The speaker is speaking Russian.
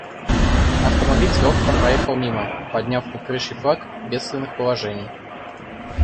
Автомобиль с грохотом проехал мимо, подняв над крышей флаг бедственных положений.